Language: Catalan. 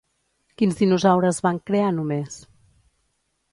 Quins dinosaures van crear només?